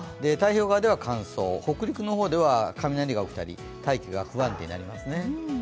太平洋側では乾燥、北陸では雷が起きたり大気が不安定になります。